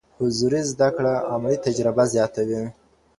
حضوري زده کړه عملي تجربه زياتوي.